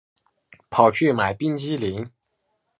跑去买冰淇淋